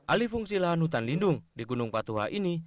alih fungsi lahan hutan lindung di gunung patuha ini